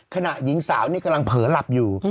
ขณะหญิงสาวนี่กำลังเผลอหลับอยู่